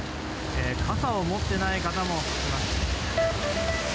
傘を持ってない方もいます。